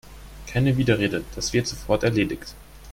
Keine Widerrede, das wird sofort erledigt!